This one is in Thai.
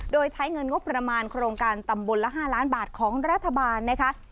โดยใช้เงินงบประมาณโครงการตำบลละ๕ล้านบาทของรัฐบาลนะคะ